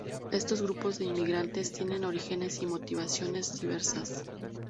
Estos grupos de inmigrantes tienen orígenes y motivaciones diversas.